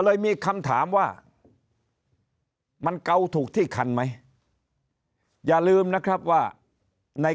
เลยมีคำถามว่ามันเกาถูกที่คันไหมอย่าลืมนะครับว่าใน